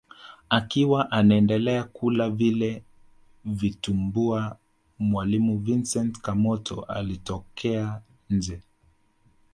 Akiwa anaendelea kula vile vitumbua mwalimu Vincent Kamoto alitoka nje